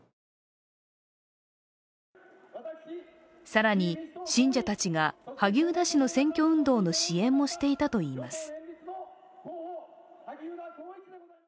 更に信者たちが萩生田氏の選挙運動の支援もしていたといいます。